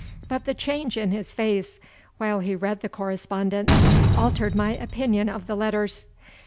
But the change in his face, while he read the correspondence, altered my opinion of the letters.